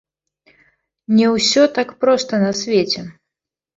Не ўсё так проста на свеце!